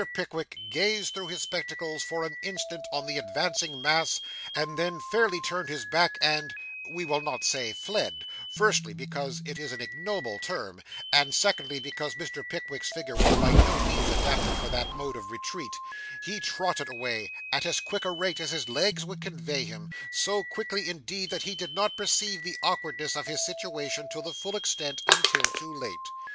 Pickwick gazed through his spectacles for an instant on the advancing mass, and then fairly turned his back and we will not say fled; firstly, because it is an ignoble term, and, secondly, because Mr. Pickwick's figure was by no means adapted for that mode of retreat he trotted away, at as quick a rate as his legs would convey him; so quickly, indeed, that he did not perceive the awkwardness of his situation, to the full extent, until too late.